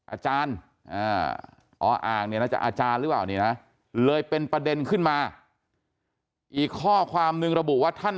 อาจารย์อาจารย์หรือเป็นประเด็นขึ้นมาอีกข้อความนึงระบุว่าท่าน